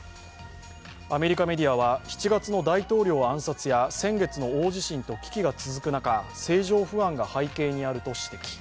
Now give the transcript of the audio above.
アメリカメディアは７月の大統領暗殺や先月の大地震と危機が続く中政情不安が背景にあると指摘。